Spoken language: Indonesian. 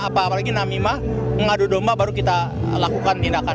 apalagi namimah mengadu domba baru kita lakukan tindakan